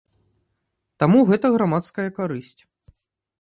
Таму гэта грамадская карысць.